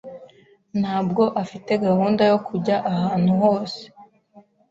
ntabwo afite gahunda yo kujya ahantu hose.